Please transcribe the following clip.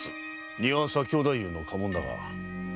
丹羽左京太夫の家紋だが。